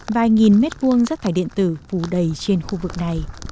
vài nghìn mét vuông rác thải điện tử phủ đầy trên khu vực này